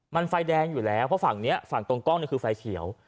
มันไฟแดงอยู่แล้วเพราะฝั่งนี้ฝั่งตรงกล้องนี่คือไฟเขียว